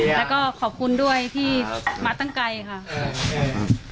แล้วก็ขอบคุณด้วยที่มาตั้งไกลค่ะ